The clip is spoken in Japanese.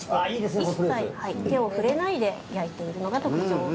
一切手を触れないで焼いているのが特徴。